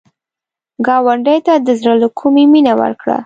ګاونډي ته د زړه له کومي مینه ورکړه